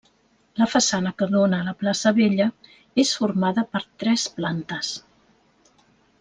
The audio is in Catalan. La façana que dóna a la Plaça Vella, és formada per tres plantes.